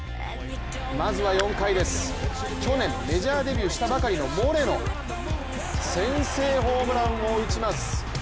まずは４回です、去年、メジャーデビューしたばかりのモレノ、先制ホームランを打ちます。